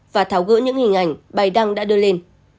và tháo gỡ những hình ảnh bài đăng đã đưa lên